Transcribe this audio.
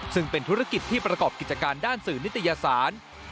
ซึ่งเป็นธุรกิจที่ประกอบกิจการด้านสื่อนิตยสาร